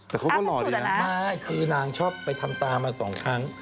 แต่เขาก็หล่ออยู่แล้วไม่คือนางชอบไปทำตามาสองครั้ง